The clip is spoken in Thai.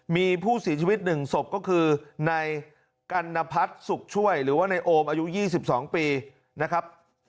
มีผู้เสียชีวิต๑ศพก็คือนายกัณพัฒน์สุขช่วยหรือว่าในโอมอายุ๒๒ปีนะครับ